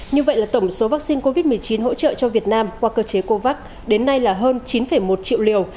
như vậy là tổng số vaccine covid một mươi chín hỗ trợ cho việt nam qua cơ chế covax đến nay là hơn chín một triệu liều